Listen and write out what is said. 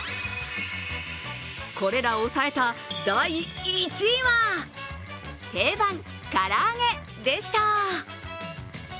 これらを抑えた第１位は定番、から揚げでした。